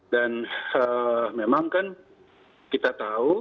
dan memang kan kita tahu